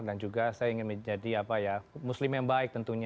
dan juga saya ingin menjadi muslim yang baik tentunya